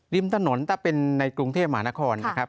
ริมถนนถ้าเป็นในกรุงเทพหมานครนะครับ